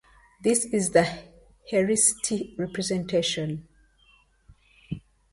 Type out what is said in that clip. This is the helicity representation.